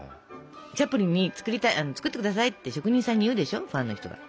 チャップリンに作って下さいって職人さんにいうでしょファンの人が。